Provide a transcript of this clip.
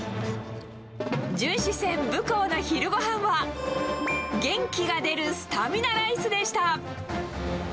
巡視船ぶこうの昼ごはんは、元気が出るスタミナライスでした。